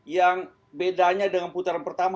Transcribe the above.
yang bedanya dengan putaran pertama